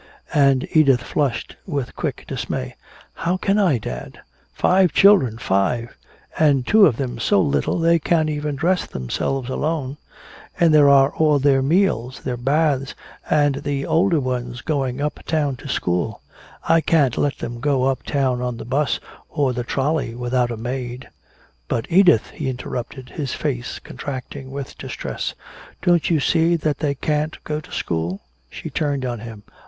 And Edith flushed with quick dismay. "How can I, dad? Five children five! And two of them so little they can't even dress themselves alone! And there are all their meals their baths and the older ones going uptown to school! I can't let them go way uptown on the 'bus or the trolley without a maid " "But, Edith!" he interrupted, his face contracting with distress. "Don't you see that they can't go to school?" She turned on him.